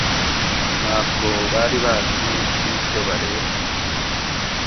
Ntabwo bari bazi n'icyo bareba.